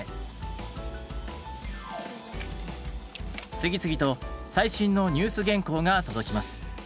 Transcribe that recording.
次々と最新のニュース原稿が届きます。